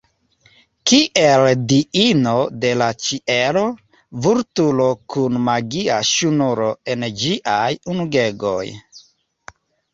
Kiel diino de la ĉielo, vulturo kun magia ŝnuro en ĝiaj ungegoj.